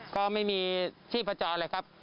ก็ไม่มีชีพจรเลยครับ